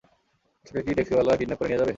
তোকে কি টেক্সিওলা কিডনাপ করে নিয়ে যাবে?